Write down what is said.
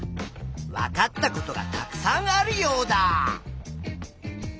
わかったことがたくさんあるヨウダ！